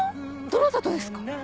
どなたとですか？